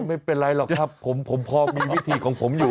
ไม่เป็นไรหรอกครับผมพอมีวิธีของผมอยู่